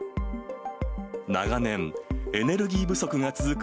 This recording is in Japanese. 長年、エネルギー不足が続く